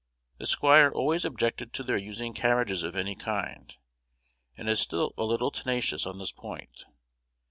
The squire always objected to their using carriages of any kind, and is still a little tenacious on this point.